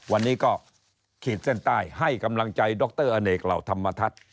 วันนี้ก็ขีดเส้นใต้ให้กำลังใจดรอเนกเหล่าธรรมทัศน์